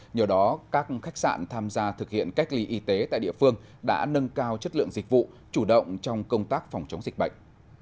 nhờ đó các khách sạn tham gia thực hiện cách ly y tế tại địa phương đã nâng cao chất lượng dịch vụ chủ động trong công tác phòng chống dịch bệnh